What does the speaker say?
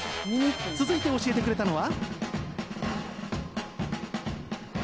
続いて教えてくれたのは。